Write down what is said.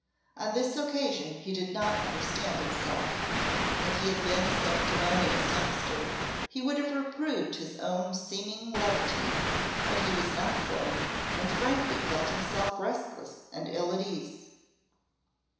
On this occasion he did not understand himself; if he had been a sanctimonious youngster he would have reproved his own seeming levity, but he was not so, and frankly felt himself restless and ill at ease.